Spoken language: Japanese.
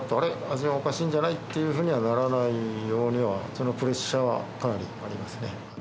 味がおかしいんじゃないってならないようには、そのプレッシャーはかなりありますね。